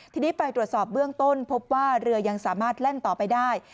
ทีนี้ไปตรวจสอบเบื้องต้นพบว่าเรือยังสามารถแล่นต่อไปได้